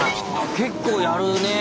結構やるねえ